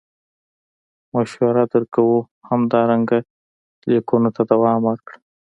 مشوره در کوو همدارنګه لیکنو ته دوام ورکړه.